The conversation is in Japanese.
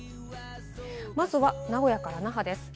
まずは名古屋から那覇です。